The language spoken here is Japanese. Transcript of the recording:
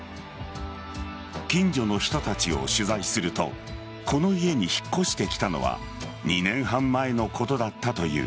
近所の人たちを取材するとこの家に引っ越してきたのは２年半前のことだったという。